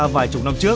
vài chục năm trước